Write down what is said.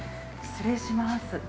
◆失礼します。